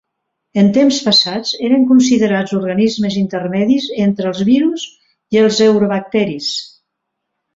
En temps passats eren considerats organismes intermedis entre els virus i els eubacteris.